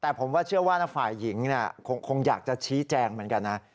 แต่ผมว่าเชื่อว่าฝ่ายหญิงคงอยากจะชี้แจงเหมือนกันนะ